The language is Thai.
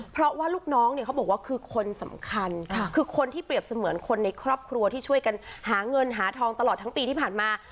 เพราะว่าลูกน้องเนี่ยเขาบอกว่าคือคนสำคัญคือคนที่เปรียบเสมือนคนในครอบครัวที่ช่วยกันหาเงินหาทองตลอดทั้งปีที่ผ่านมา